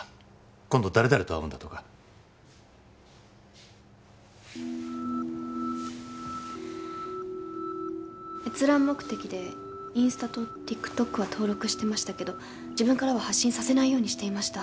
今度誰々と会うんだとか閲覧目的でインスタとＴｉｋＴｏｋは登録してましたけど自分からは発信させないようにしていました